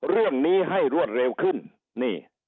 เรื่องนี้ให้รวดเร็วขึ้นนี่